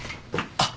あっ。